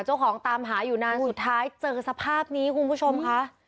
ตามหาอยู่นานสุดท้ายเจอสภาพนี้คุณผู้ชมค่ะ